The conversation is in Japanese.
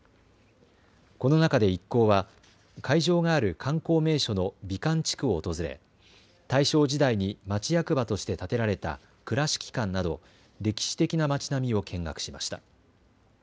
この中で一行は会場がある観光名所の美観地区を訪れ大正時代に町役場として建てられた倉敷館など歴史的な町並みを見学しました。